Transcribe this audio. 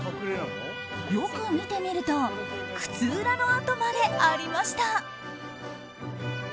よく見てみると靴裏の跡までありました。